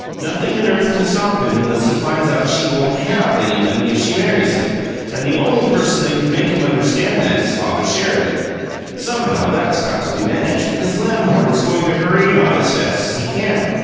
Nothing on earth can stop him unless he finds out she won't HAVE any money if she marries him, and the only person that could make him understand that is Father Sheridan. Somehow, that's got to be managed, because Lamhorn is going to hurry it on as fast as he can.